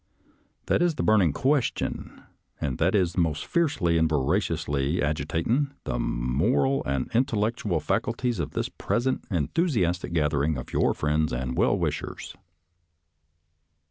" That is the burnin' question that is most fiercely and voraciously agitatin' the moral and intellectual faculties of this present enthu siastic gathering of your friends and well wishers."